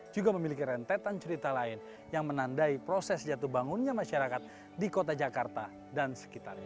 juga memiliki rentetan cerita lain yang menandai proses jatuh bangunnya masyarakat di kota jakarta dan sekitarnya